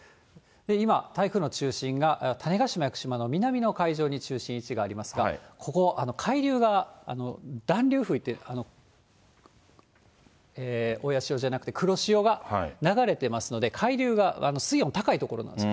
今、台風の中心が種子島・屋久島の南の海上に中心位置がありますが、ここ、海流が暖流、親潮じゃなくて黒潮が流れてますので、海流が水温高い所なんです。